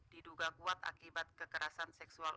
diduga kuat akibat kekerasan seksual